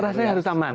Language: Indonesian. rasanya harus aman